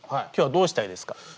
今日はどうしたいですか？